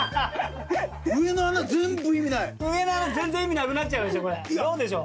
上の穴全然意味なくなっちゃうでしょ。